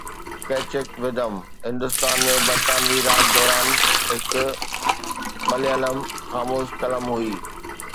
ڪيچڪ ودم هندستان ۾ برطانوي راڄ دوران هڪ مليالم خاموش فلم هئي